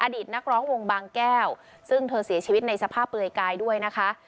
ตนักร้องวงบางแก้วซึ่งเธอเสียชีวิตในสภาพเปลือยกายด้วยนะคะ